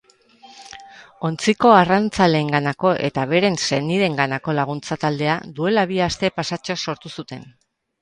Ontziko arrantzaleenganako eta beren senideenganako laguntza taldea duela bi aste pasatxo sortu zuten.